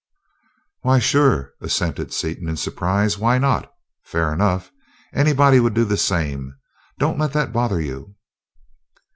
"Why sure," assented Seaton, in surprise. "Why not? Fair enough! Anybody would do the same don't let that bother you."